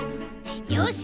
よし！